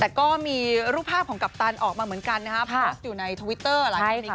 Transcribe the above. แต่ก็มีรูปภาพของกัปตันออกมาเหมือนกันนะครับโพสต์อยู่ในทวิตเตอร์หลายคน